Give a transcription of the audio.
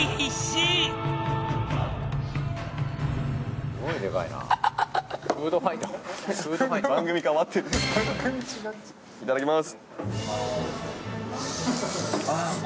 いただきます。